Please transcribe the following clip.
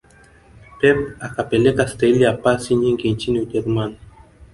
pep akapeleka staili ya pasi nyingi nchini ujerumani